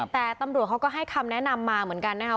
แต่ตำรวจเขาก็ให้คำแนะนำมาเหมือนกันนะคะ